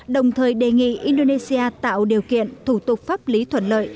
đồng thời đề nghị indonesia tạo điều kiện thủ tục pháp lý thuận lợi